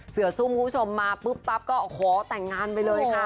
ซุ่มคุณผู้ชมมาปุ๊บปั๊บก็ขอแต่งงานไปเลยค่ะ